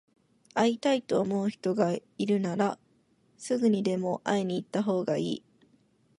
会いたいと思う人がいるなら、すぐにでも会いに行ったほうがいい。